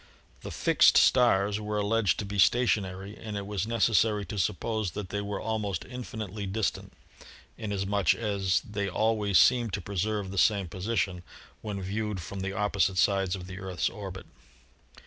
The "fixed" stars were alleged to be stationary, and it was necessary to suppose that they were almost infinitely distant, inas much as they always seemed to preserve the same position when viewed from the opposite sides of the Earth's orbit.